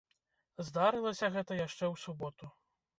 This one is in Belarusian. Здарылася гэта яшчэ ў суботу.